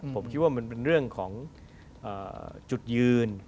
ผมคิดว่ามันเป็นเรื่องของจุดยืน